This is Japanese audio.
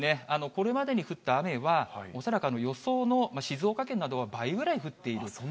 これまでに降った雨は、恐らく予想の静岡県などは倍ぐらい降っている。